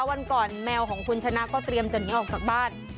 วันก่อนแมวของคุณชนะก็เตรียมจะหนีออกจากบ้าน